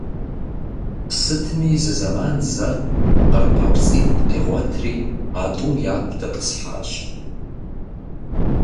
Сытми зызэман зэ къыр папцӀитӀ къигъуэтри, а тӀум яку дэтӀысхьащ.